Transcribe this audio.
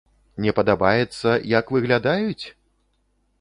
Не падабаецца, як выглядаюць?